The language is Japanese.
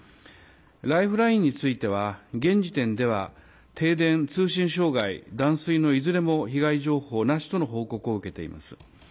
ライフラインについては、現時点では、停電、通信障害、断水のいずれも、被害情報なしとの報告を受けています。